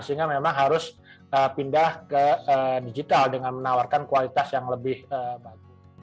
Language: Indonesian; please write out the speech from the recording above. sehingga memang harus pindah ke digital dengan menawarkan kualitas yang lebih bagus